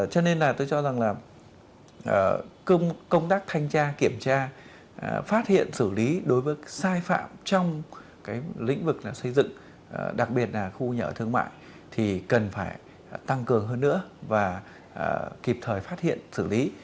cho nên là tôi cho rằng là công tác thanh tra kiểm tra phát hiện xử lý đối với sai phạm trong cái lĩnh vực xây dựng đặc biệt là khu nhà ở thương mại thì cần phải tăng cường hơn nữa và kịp thời phát hiện xử lý